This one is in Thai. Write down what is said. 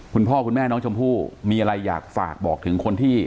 คุณพ่อคุณแม่น้องชมพู่มีอะไรอยากฝากบอกถึงคนที่